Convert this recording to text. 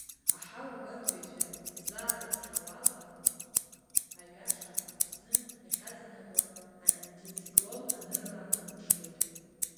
Аҳауагәаҭаҩцәа излаарыцҳауа ала, аҩаша Аԥсны иахьаҵанакуа антициклон анырра аныԥшуеит.